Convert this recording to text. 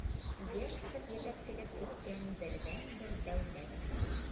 Герцог етәкселек иткән берҙән-бер дәүләт.